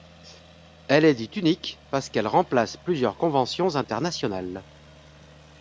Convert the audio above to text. Elle est dite unique parce qu’elle remplace plusieurs conventions internationales.